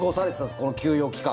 この休養期間。